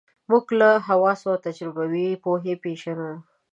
موږ له حواسو او تجربوي پوهې پېژنو.